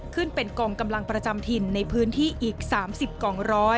ขึ้นเป็นกองกำลังประจำถิ่นในพื้นที่อีก๓๐กองร้อย